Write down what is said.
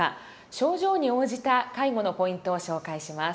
症状に応じた介護のポイントを紹介します。